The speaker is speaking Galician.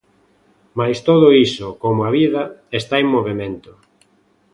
Mais todo iso, como a vida, está en movemento.